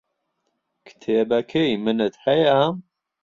کتێبەکەی منت هەیە؟